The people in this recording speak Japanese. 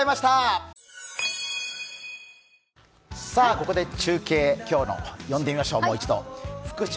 ここで中継、もう一度呼んでみましょう。